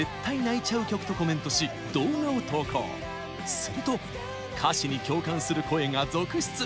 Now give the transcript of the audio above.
すると歌詞に共感する声が続出。